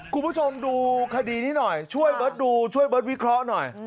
คุณผู้ชมดูคดีนี้หน่อยช่วยเบิร์ตดูช่วยเบิร์ตวิเคราะห์หน่อย